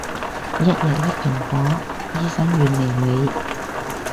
一日一蘋果，醫生遠離你